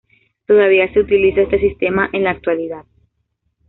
Todavía se utiliza este sistema en la actualidad.